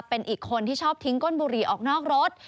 เป็นอีกคนที่ชอบทิ้งก้นบุหรี่ออกนอกรถ